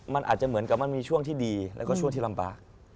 มันอาจจะเหมือนกับมันมีช่วงที่ดีแล้วก็ช่วงที่ลำบาก